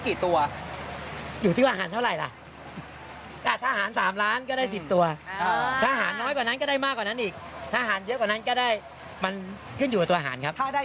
คนทั้งประเทศพักเปลี่ยนเนี้ยนโยบายหลักหลักคืออะไร